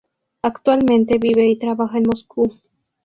Actualmente vive y trabaja en Moscú.